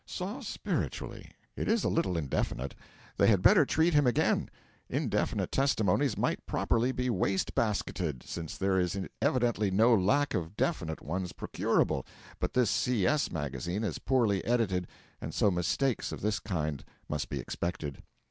Saw spiritually. It is a little indefinite; they had better treat him again. Indefinite testimonies might properly be waste basketed, since there is evidently no lack of definite ones procurable, but this C.S. magazine is poorly edited, and so mistakes of this kind must be expected.